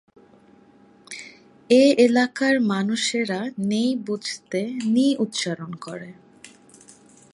এ এলাকার মানুষেরা নেই বুঝাতে ‘নি’ উচ্চারণ করে।